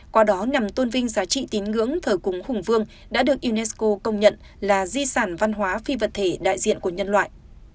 qua đó nhằm tôn vinh giá trị tín ngưỡng thờ cúng hùng vương đã được unesco công nhận là di sản văn hóa phi vật thể đại diện của nhân loại